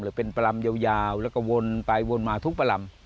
เป็นประลำยาวแล้วก็วนไปวนมาทุกประลำ